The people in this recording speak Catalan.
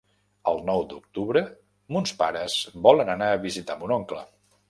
El nou d'octubre mons pares volen anar a visitar mon oncle.